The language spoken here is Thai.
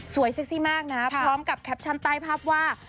เซ็กซี่มากนะพร้อมกับแคปชั่นใต้ภาพว่า